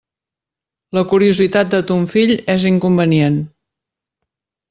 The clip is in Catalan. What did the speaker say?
La curiositat de ton fill és inconvenient.